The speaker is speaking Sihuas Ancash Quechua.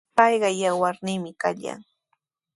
Payqa yawarniimi kallan.